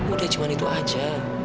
udah cuman itu aja